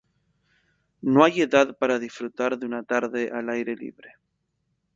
No hay edad para disfrutar de una tarde al aire libre.